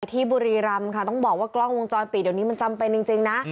ที่บุรีรำค่ะต้องบอกว่ากล้องวงจรปิดเดี๋ยวนี้มันจำเป็นจริงนะ